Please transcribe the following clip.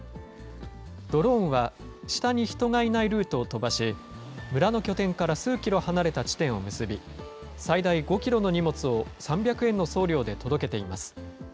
ドローンは下に人がいないルートを飛ばし、村の拠点から数キロ離れた地点を結び、最大５キロの荷物を３００円の送料で届けています。